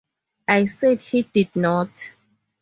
I said he did not.